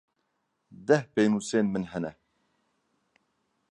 Deh pênûsên min hene.